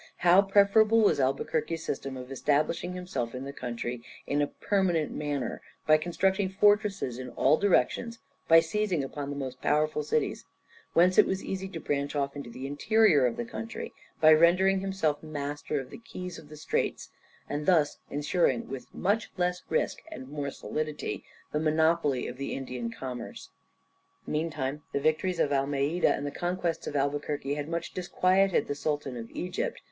How preferable was Albuquerque's system of establishing himself in the country in a permanent manner, by constructing fortresses in all directions, by seizing upon the most powerful cities, whence it was easy to branch off into the interior of the country, by rendering himself master of the keys of the straits, and thus ensuring with much less risk, and more solidity, the monopoly of the Indian commerce. Meantime the victories of Almeida, and the conquests of Albuquerque had much disquieted the Sultan of Egypt.